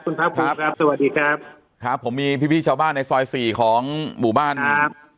คุณครับครับสวัสดีครับครับผมมีพี่พี่ชาวบ้านในซอยสี่ของหมู่บ้านนะครับ